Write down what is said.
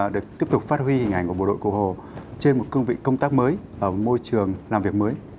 được tiếp tục phát huy hình ảnh của bộ đội cổ hồ trên một cương vị công tác mới môi trường làm việc mới